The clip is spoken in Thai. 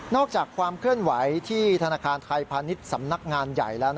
อกจากความเคลื่อนไหวที่ธนาคารไทยพาณิชย์สำนักงานใหญ่แล้ว